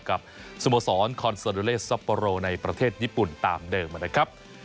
กับสโมสรคอนโซโดเลสซัปโปโรในประเทศญี่ปุ่นตามเดิมนะครับ